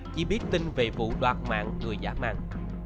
chỉ biết tin về vụ đoạt mạng người giả mạng